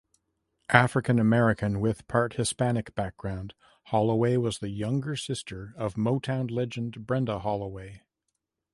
African-American with part-Hispanic background, Holloway was the younger sister of Motown legend Brenda Holloway.